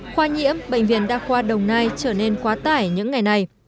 khoa nhiễm bệnh viện đa khoa đồng nai trở nên quá tải những ngày này